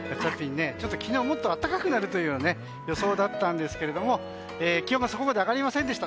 昨日、もっと暖かくなるという予想だったんですけども気温がそこまで上がりませんでした。